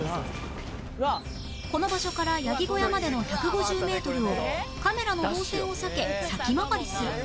この場所からヤギ小屋までの１５０メートルをカメラの動線を避け先回りする